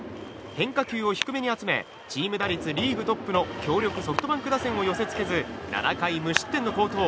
変化球を低めに集めチーム打率リーグトップの強力ソフトバンク打線を寄せ付けず７回無失点の好投。